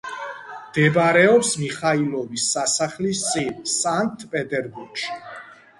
მდებარეობს მიხაილოვის სასახლის წინ სანქტ-პეტერბურგში.